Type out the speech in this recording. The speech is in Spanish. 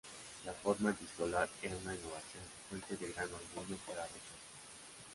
La forma epistolar era una innovación, fuente de gran orgullo para Richardson.